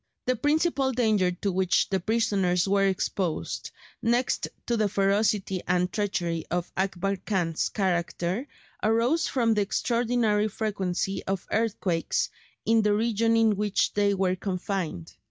The principal danger to which the prisoners were exposed, next to the ferocity and treachery of Akbar Khan's character, arose from the extraordinary frequency of earthquakes in the region in which they were confined.